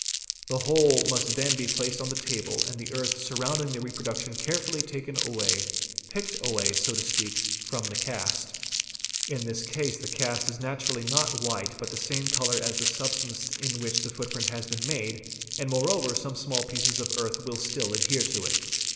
The whole must then be placed on the table and the earth | surrounding the reproduction carefully taken away, picked away, so to — speak, from the cast. In this case the cast is naturally not white but the same colour as the substance in which the footprint has been made, and — moreover some small pieces of earth will still adhere to it.